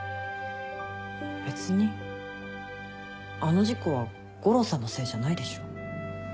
別にあの事故は悟郎さんのせいじゃないでしょ。